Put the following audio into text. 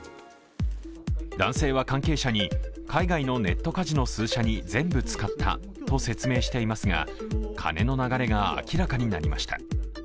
男性は関係者に、海外のネットカジノ数社に全部使ったと説明していますが、金の流れが明らかになりました。